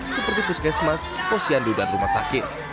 seperti puskesmas posyandu dan rumah sakit